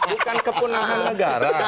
bukan kepunahan negara